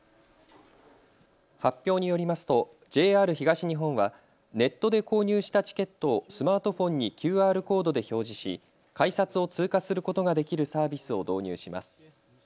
発表によりますとＪＲ東日本はネットで購入したチケットをスマートフォンにＱＲコードで表示し改札を通過することができるサービスを導入します。